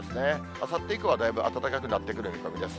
あさって以降はだいぶ暖かくなってくる見込みです。